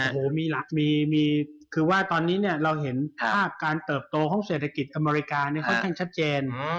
โอ้โหมีหลักมีคือว่าตอนนี้เนี่ยเราเห็นภาพการเติบโตของเศรษฐกิจอเมริกาเนี่ยค่อนข้างชัดเจน